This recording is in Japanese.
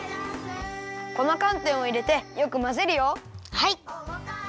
はい！